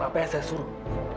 apa yang saya suruh